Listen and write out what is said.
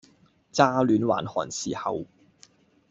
乍煖還寒時候，